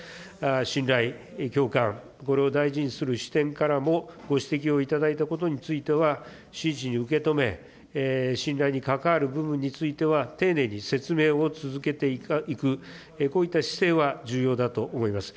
信頼、共感、これを大事にする視点からも、ご指摘をいただいたことについては、真摯に受け止め、信頼に関わる部分については、丁寧に説明を続けていく、こういった姿勢は重要だと思います。